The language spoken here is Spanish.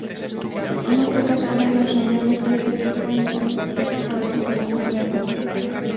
No pocas fueron las reuniones de este tipo en las que participó Benjamin Freedman.